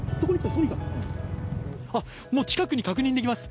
もう近くに確認できます。